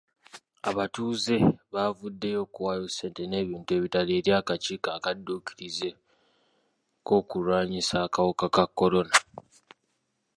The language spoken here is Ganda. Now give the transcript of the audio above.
Abatuuze bavuddeyo okuwayo ssente n'ebintu ebirala eri akakiiko akadduukirize k'okulwanyisa akawuka ka kolona.